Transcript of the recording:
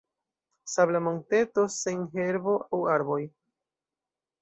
Sabla monteto sen herbo aŭ arboj.